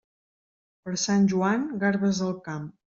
Per Sant Joan, garbes al camp.